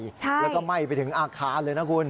แล้วก็ไหม้ไปถึงอาคารเลยนะคุณ